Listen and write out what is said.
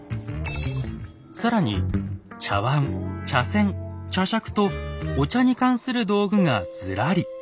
更に「茶わん」「茶せん」「茶しゃく」とお茶に関する道具がずらり！